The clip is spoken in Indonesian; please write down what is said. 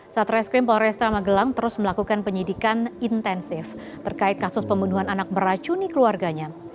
satu reskrim polres tamagelang terus melakukan penyidikan intensif terkait kasus pembunuhan anak meracuni keluarganya